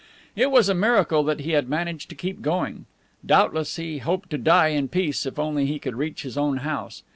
It was a miracle that he had managed to keep going. Doubtless he hoped to die in peace if only he could reach his own house.